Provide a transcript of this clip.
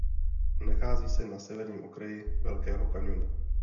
Nachází se na severním okraji Velkého kaňonu.